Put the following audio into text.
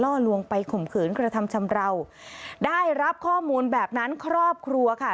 ลวงไปข่มขืนกระทำชำราวได้รับข้อมูลแบบนั้นครอบครัวค่ะ